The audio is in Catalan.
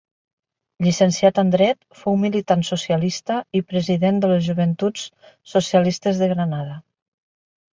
Llicenciat en dret, fou militant socialista i president de les Joventuts Socialistes de Granada.